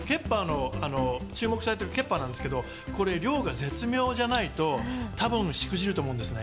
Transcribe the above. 注目されてるケッパーですけど、量が絶妙じゃないと多分しくじると思うんですね。